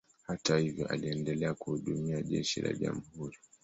Hata hivyo, aliendelea kuhudumia jeshi la jamhuri.